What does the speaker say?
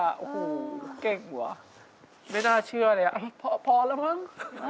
โอ้โฮเก่งกว่าไม่น่าเชื่อไงพอแล้วมั้ง